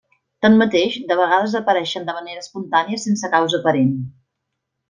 Tanmateix, de vegades apareixen de manera espontània sense causa aparent.